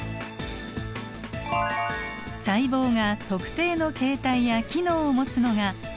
細胞が特定の形態や機能を持つのが細胞の分化。